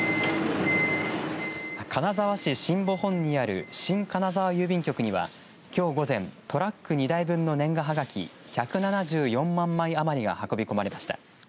金沢市新保本にある新金沢郵便局にはきょう午前トラック２台分の年賀はがき１７４万枚余りが運び込まれました。